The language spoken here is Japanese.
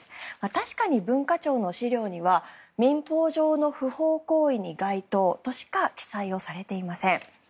確かに文化庁の資料には民法上の不法行為に該当としか記載されていません。